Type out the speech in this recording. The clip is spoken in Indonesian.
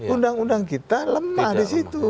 undang undang kita lemah disitu